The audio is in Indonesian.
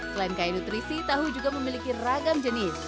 selain kain nutrisi tahu juga memiliki ragam jenis